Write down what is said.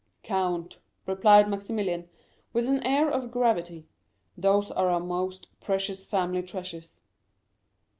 "Count," replied Maximilian, with an air of gravity, "those are our most precious family treasures."